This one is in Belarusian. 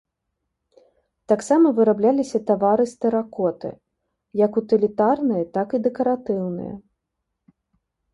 Таксама вырабляліся тавары з тэракоты, як утылітарныя, так і дэкаратыўныя.